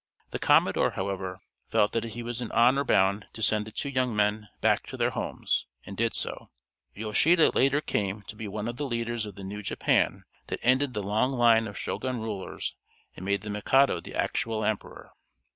The commodore, however, felt that he was in honor bound to send the two young men back to their homes; and did so. Yoshida later came to be one of the leaders of the new Japan that ended the long line of Shogun rulers, and made the Mikado the actual emperor.